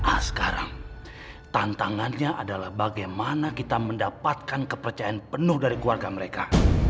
nah sekarang tantangannya adalah bagaimana kita mendapatkan kepercayaan penuh dari keluarga mereka